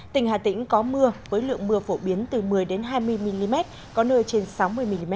tỉnh hà tĩnh có mưa với lượng mưa phổ biến từ một mươi hai mươi mm có nơi trên sáu mươi mm